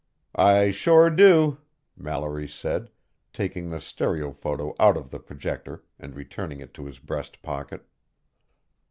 "I sure do," Mallory said, taking the stereophoto out of the projector and returning it to his breast pocket.